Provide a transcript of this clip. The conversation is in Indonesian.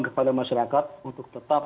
kepada masyarakat untuk tetap